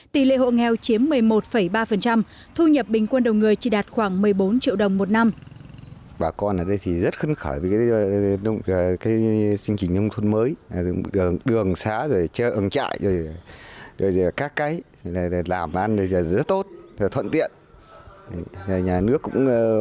tỷ lệ hộ nghèo chiếm một mươi một ba thu nhập bình quân đầu người chỉ đạt khoảng một mươi bốn triệu đồng một năm